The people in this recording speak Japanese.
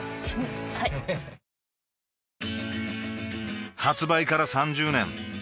天才！発売から３０年